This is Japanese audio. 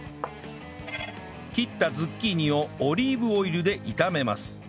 切ったズッキーニをオリーブオイルで炒めます